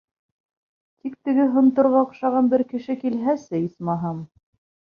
Тик теге һонторға оҡшаған бер кеше килһәсе, исмаһам!